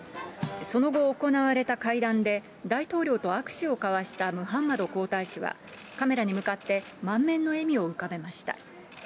その後、行われた会談で、大統領と握手を交わしたムハンマド皇太子は、カメラに向かって満面の笑みを浮かべました。